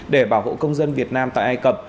để bảo hộ công dân việt nam tại ai cập